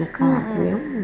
boleh tapi gue mampu